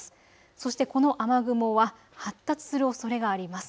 そしてこの雨雲は発達するおそれがあります。